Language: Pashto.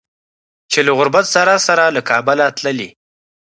چې له غربت سره سره له کابله تللي